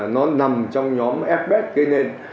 nó nằm trong nhóm fbet gây nên